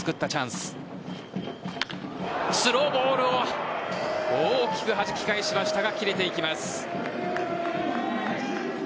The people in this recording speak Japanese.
スローボールを大きくはじき返しましたが切れていきます。